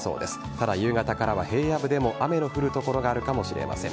ただ、夕方からは平野部でも雨の降る所があるかもしれません。